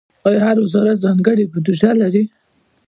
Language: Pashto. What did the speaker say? آیا هر وزارت ځانګړې بودیجه لري؟